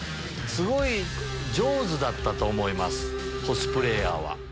すごい上手だったと思いますコスプレーヤーは。